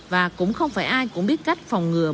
và cũng không phải ai cũng biết cách phòng ngừa